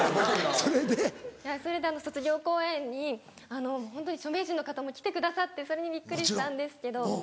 それで卒業公演にホントに著名人の方も来てくださってそれにびっくりしたんですけど。